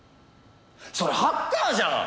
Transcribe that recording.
それハッカーじゃん！